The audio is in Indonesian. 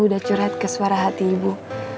udah curret ke suara hati ibu